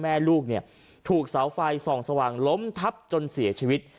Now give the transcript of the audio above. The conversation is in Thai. แม่ลูกเนี่ยถูกเสาไฟส่องสว่างล้มทับจนเสียชีวิต